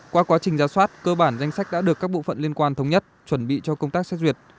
qua quá trình giả soát cơ bản danh sách đã được các bộ phận liên quan thống nhất chuẩn bị cho công tác xét duyệt